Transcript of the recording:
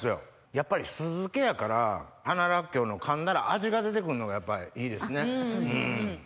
やっぱり酢漬けやから花らっきょうの噛んだら味が出て来るのがやっぱりいいですね。